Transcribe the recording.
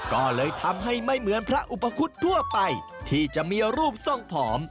ก็เลยทำให้ไม่เหมือนพระอุปคุฎทั่วไปที่จะมีรูปทรงผอม